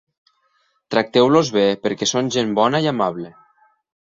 Tracteu-los bé perquè són gent bona i amable.